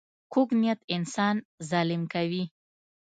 کوږ نیت انسان ظالم کوي